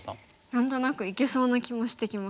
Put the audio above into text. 何となくいけそうな気もしてきます。